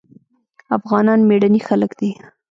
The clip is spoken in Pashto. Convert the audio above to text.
افغانان مېړني خلک دي.